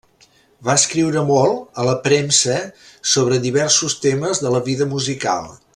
Va escriure molt a la premsa sobre diversos temes de la vida musical.